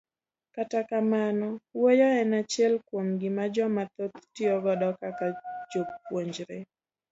Kata kamano, wuoyo en achile kuom gima joma dhoth tiyo godo kaka jopuonjre.